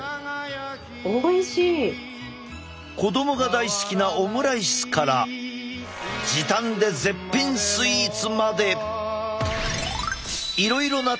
子供が大好きなオムライスから時短で絶品スイーツまで！